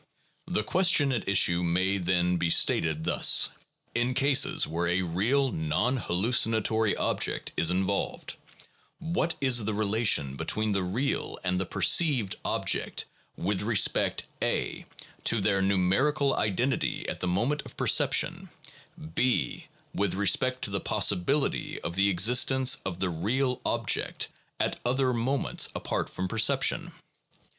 The question at issue may, then, be stated thus: In cases where a real (and non hallucinatory) object is involved, what is the relation between the real and the perceived object with respect (a) to their numerical identity at the moment of per ception, (b) with respect to the possibility of the existence of the real object at other moments apart from perception?